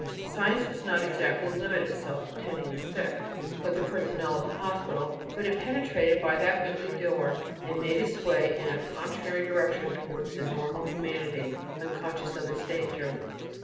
Science does not exactly limit itself to tending the sick, like the personnel of a hospital, but it penetrated by that goodly door, and made its way in a contrary direction towards a normal humanity, unconscious of its danger.